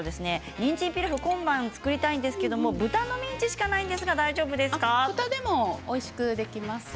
にんじんピラフ今晩作りたいんですが豚のミンチしかないんですが豚でもおいしくできますよ。